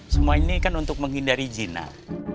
semua ini kan untuk menghindari jinak